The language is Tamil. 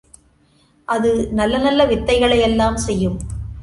அது நல்ல நல்ல வித்தைகளெல்லாம் செய்யும்.